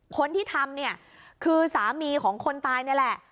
คนที่ทำเนี่ยคือสามีของคนตายนี่แหละ